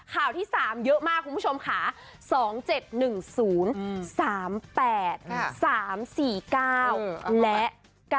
ข่าวที่๓เยอะมากคุณผู้ชมค่ะ๒๗๑๐๓๘๓๔๙และ๙๙